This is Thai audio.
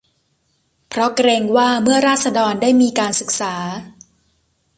เพราะเกรงว่า เมื่อราษฎรได้มีการศึกษา